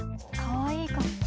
かわいいかも。